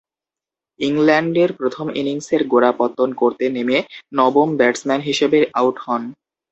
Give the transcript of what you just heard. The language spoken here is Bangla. ইংল্যান্ডের প্রথম ইনিংসের গোড়াপত্তন করতে নেমে নবম ব্যাটসম্যান হিসেবে আউট হন।